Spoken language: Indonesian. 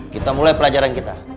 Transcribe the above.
kita mulai pelajaran kita